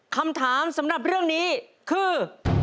คำถามสำหรับเรื่องนี้คือ